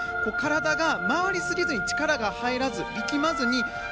体が回りすぎずに力が入らず力まずに。